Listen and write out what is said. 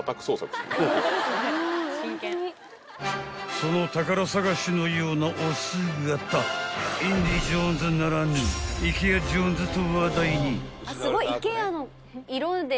［その宝探しのようなお姿インディ・ジョーンズならぬイケア・ジョーンズと話題に］